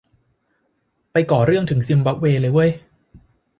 ไปก่อเรื่องถึงซิมบับเวเลยเว้ย